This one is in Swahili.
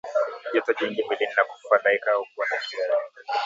Joto jingi mwilini na kufadhaika au kuwa na kiwewe